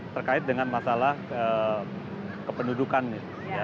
terkait dengan masalah kependudukannya